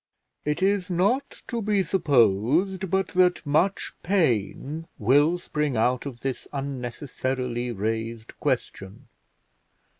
"It is not to be supposed but that much pain will spring out of this unnecessarily raised question.